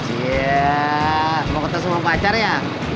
iya mau ketemu pacar ya